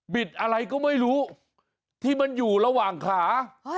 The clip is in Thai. อะไรก็ไม่รู้ที่มันอยู่ระหว่างขา